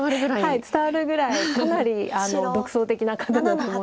はい伝わるぐらいかなり独創的な方だと思うので。